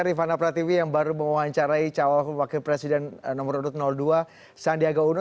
rifana pratiwi yang baru mewawancarai calon wakil presiden nomor urut dua sandiaga uno